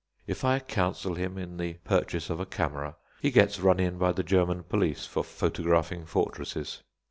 If I counsel him in the purchase of a camera, he gets run in by the German police for photographing fortresses.